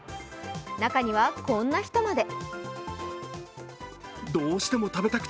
中には、こんな人まで。